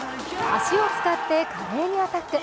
足を使って華麗にアタック。